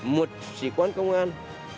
một sĩ quan công an